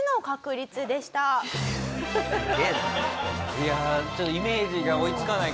いやあちょっとイメージが追いつかないけど。